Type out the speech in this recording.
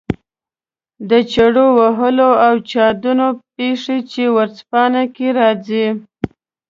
د چړو وهلو او چاودنو پېښې چې ورځپاڼو کې راځي.